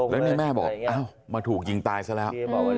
แล้วนี่แม่บอกอ้าวมาถูกยิงตายซะแล้ว